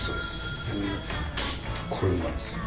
これうまいんですよ。